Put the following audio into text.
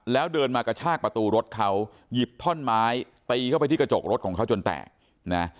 แล้วเดินมากระชากประตูรถเขาหยิบท่อนไม้ตีเข้าไปที่กระจกรถของเขาจนแตกนะ